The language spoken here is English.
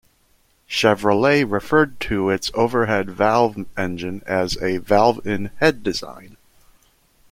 Chevrolet referred to its overhead-valve engine as a "valve-in-head" design.